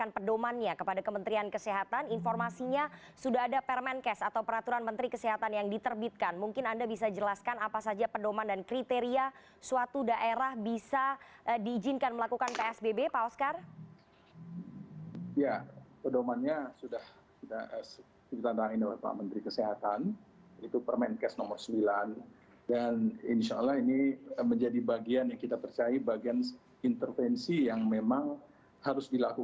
pembatasan sosial berskala besar